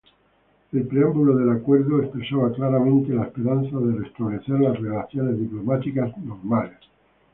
El preámbulo del acuerdo expresaba claramente la esperanza de "restablecer las relaciones diplomáticas normales".